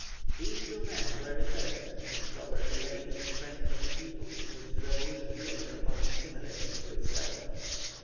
These two men were the first to discover the latent strength of the people, which the revolution later on assimilated to itself.